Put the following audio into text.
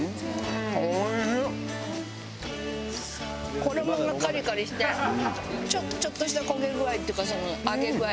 衣がカリカリしてちょっとした焦げ具合っていうかいい？